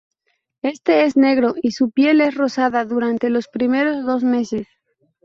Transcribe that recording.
Éste es negro y su piel es rosada durante los primeros dos meses.